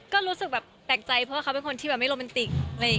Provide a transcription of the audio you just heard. ก็รู้สึกแบบแปลกใจเพราะว่าเขาเป็นคนที่แบบไม่โรแมนติก